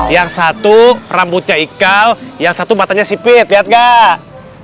yang satu rambutnya ikal yang satu matanya sipit lihat nggak